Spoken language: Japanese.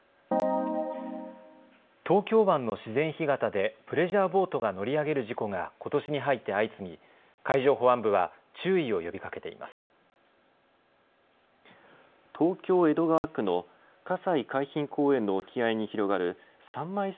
東京湾の自然干潟でプレジャーボートが乗り上げる事故がことしに入って相次ぎ海上保安部は注意を呼びかけています。